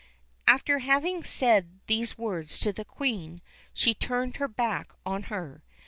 After having said these words to the Queen, she turned her back on her.